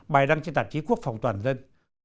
bài đăng trên tạp chí quốc phòng toàn dân